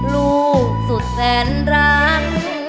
ลูกสุดแสนรัก